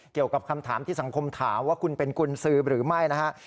เกี่ยวกับคำถามที่สังคมถามว่าคุณเป็นกุญสือหรือไม่นะฮะ